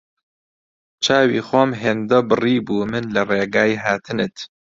چاوی خۆم هێندە بڕیبوو من لە ڕێگای هاتنت